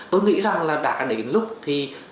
tôi nghĩ rằng đã đến lúc thì